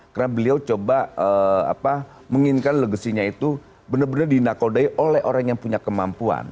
karena beliau coba menginginkan legasinya itu benar benar dinakodai oleh orang yang punya kemampuan